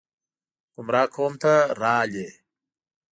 ګمراه قوم ته راغلي